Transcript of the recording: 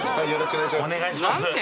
よろしくお願いします